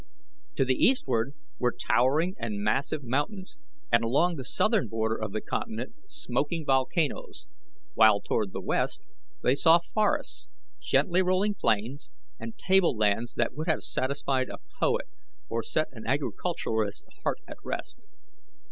To the eastward were towering and massive mountains, and along the southern border of the continent smoking volcanoes, while toward the west they saw forests, gently rolling plains, and table lands that would have satisfied a poet or set an agriculturist's heart at rest.